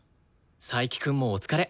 佐伯くんもお疲れ。